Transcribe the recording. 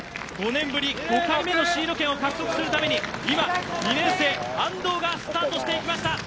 ５年ぶり５回目のシード権を獲得するために今、２年生、安藤がスタートしていきました。